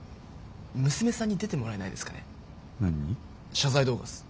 謝罪動画っす。